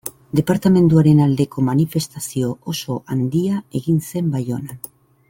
Departamenduaren aldeko manifestazio oso handia egin zen Baionan.